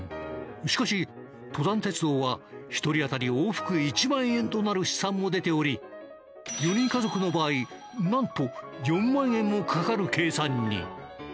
しかし登山鉄道は１人当たり往復１万円となる試算も出ており４人家族の場合なんと４万円もかかる計算に。